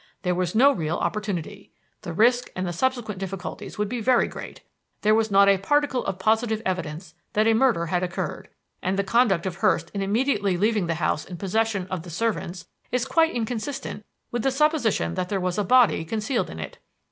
There was no real opportunity. The risk and the subsequent difficulties would be very great; there was not a particle of positive evidence that a murder had occurred; and the conduct of Hurst in immediately leaving the house in possession of the servants is quite inconsistent with the supposition that there was a body concealed in it.